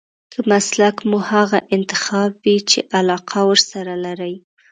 که مسلک مو هغه انتخاب وي چې علاقه ورسره لرئ.